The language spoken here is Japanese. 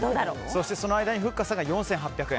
そしてその間にふっかさんが４８００円。